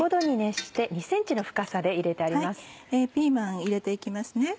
ピーマン入れて行きます。